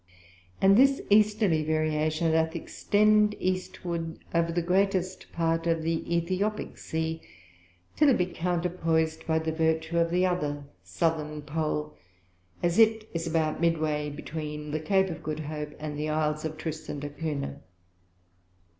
And this Easterly Variation doth extend Eastward over the greatest part of the Ethiopick Sea, till it be counterpoised by the Vertue of the other Southern Pole; as it is about mid way between the Cape of Good Hope, and the Isles of Tristan d' Acuntia.